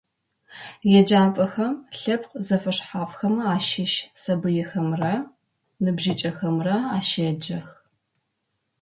Еджапӏэхэм лъэпкъ зэфэшъхьафхэм ащыщ сабыйхэмрэ ныбжьыкӏэхэмрэ ащеджэх.